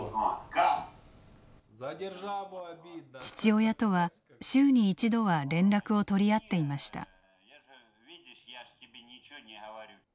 父親とは週に一度は連絡を取り合っていました。